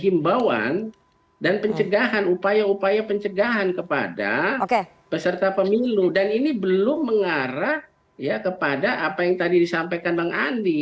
himbauan dan pencegahan upaya upaya pencegahan kepada peserta pemilu dan ini belum mengarah kepada apa yang tadi disampaikan bang andi